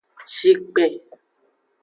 Zinkpen.